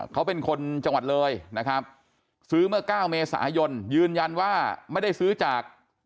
เขาเป็นคนจังหวัดเลยนะครับซื้อเมื่อ๙เมษายนยืนยันว่าไม่ได้ซื้อจาก